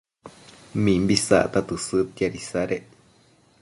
mimbi isacta tësëdtiad isadec